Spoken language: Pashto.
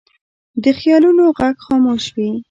د خیالونو غږ خاموش وي